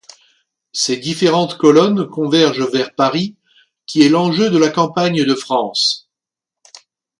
Ces différentes colonnes convergent vers Paris, qui est l’enjeu de la campagne de France.